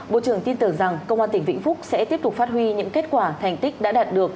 bộ trưởng tin tưởng rằng công an tỉnh vĩnh phúc sẽ tiếp tục phát huy những kết quả thành tích đã đạt được